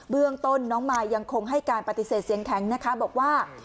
เรื่องต้นน้องมายยังคงให้การปฏิเสธเสียงแข็งนะคะบอกว่า